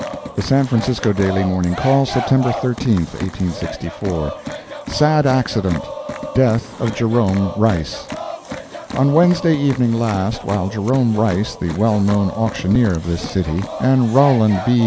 The San Francisco Daily Morning Call, September 13, 1864 SAD ACCIDENT—DEATH OF JEROME RICE On Wednesday evening last, while Jerome Rice, the well known auctioneer, of this city, and Rowland B.